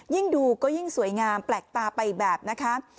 ยิ่งดูก็ยิ่งสวยงามแปลกตาไปแบบนะคะ